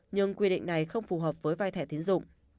nhưng quy định này không phù hợp với vai thẻ tiến dụng